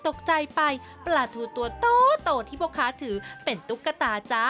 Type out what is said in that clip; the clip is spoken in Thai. ตกใจไปปลาทูตัวโตที่พ่อค้าถือเป็นตุ๊กตาจ๊ะ